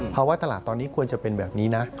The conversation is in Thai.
ภาวะตลาดตอนนี้ควรจะเป็นแบบนี้นะ